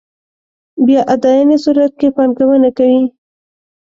بیا اداينې صورت کې پانګونه دي.